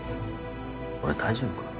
俺大丈夫かな？